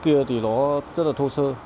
cái kia thì nó rất là thô sơ